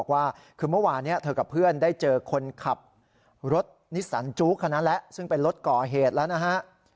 มาวานเธอกับเพื่อนได้เจอคนขับรถนิสสันจุ๊กคนนั้นแล้วซึ่งเป็นรถกรเหตุแล้วนะฮะ